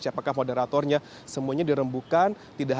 siapakah moderatornya semuanya dirembukan